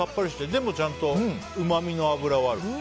でもちゃんとうまみの脂はある。